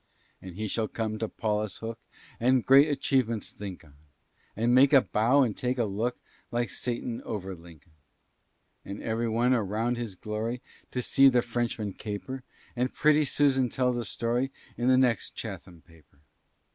"And he shall come to Paulus Hook, And great achievements think on; And make a bow and take a look, Like Satan over Lincoln. "And every one around shall glory To see the Frenchman caper; And pretty Susan tell the story In the next Chatham paper."